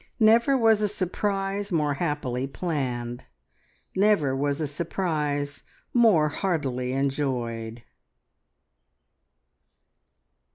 Never was a surprise more happily planned; never was a surprise more heartily enjoyed.